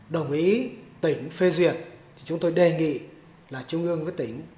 đồng ý tỉnh phê duyệt chúng tôi đề nghị là trung ương với tỉnh